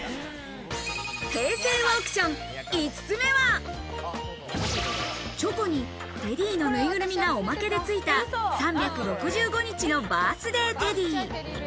平成オークション、５つ目は、チョコにテディのぬいぐるみが、おまけでついた３６５日のバースデーテディ。